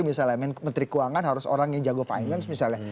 misalnya menteri keuangan harus orang yang jago finance misalnya